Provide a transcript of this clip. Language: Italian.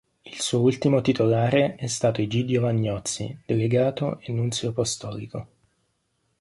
Il suo ultimo titolare è stato Egidio Vagnozzi, delegato e nunzio apostolico.